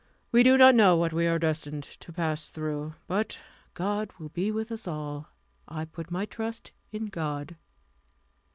We do not know what we are destined to pass through. But God will be with us all. I put my trust in God."